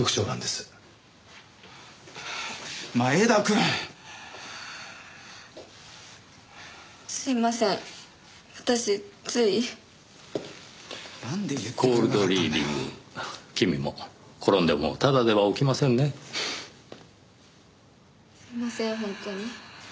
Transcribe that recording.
すいません本当に。